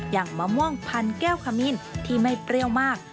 มะม่วงพันแก้วขมินที่ไม่เปรี้ยวมาก